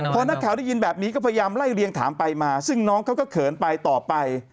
พอนักข่าวได้ยินแบบนี้ก็พยายามไล่เรียงถามไปมาซึ่งน้องเขาก็เขินไปต่อไป